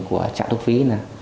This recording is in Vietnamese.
của trạng thuốc phí